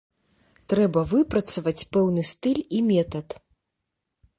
Трэба выпрацаваць пэўны стыль і метад.